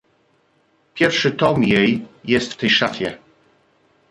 "Pierwszy tom jej jest w tej szafie."